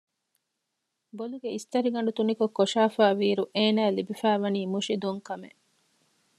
ބޮލުގެ އިސްތަށިގަނޑު ތުނިކޮށް ކޮށާފައިވީއިރު އޭނާއަށް ލިބިފައިވަނީ މުށި ދޮންކަމެއް